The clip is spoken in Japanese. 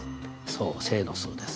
そう正の数です。